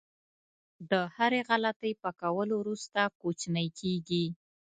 د هرې غلطۍ پاکولو وروسته کوچنی کېږي.